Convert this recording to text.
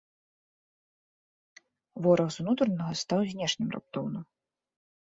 Вораг з унутранага стаў знешнім раптоўна.